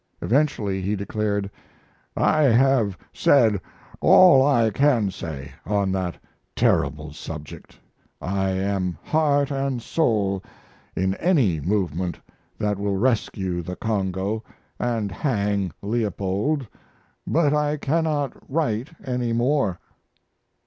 Eventually he declared: "I have said all I can say on that terrible subject. I am heart and soul in any movement that will rescue the Congo and hang Leopold, but I cannot write any more."